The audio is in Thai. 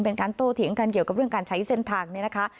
เป็นการโตเถียงกันเกี่ยวกับเรื่องการใช้เส้นทางนี้นะคะ